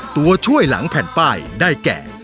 ตัวช่วยหลังแผ่นป้ายได้แก่